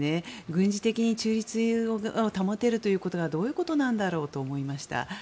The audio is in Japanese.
軍事的に中立を保てるということはどういうことなんだろうと思いました。